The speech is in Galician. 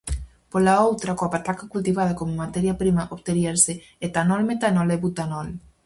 Pola outra, coa pataca cultivada como materia prima, obteríase etanol, metanol e butanol.